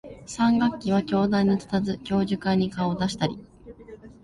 三学期は教壇に立たず、教授会に顔を出したり、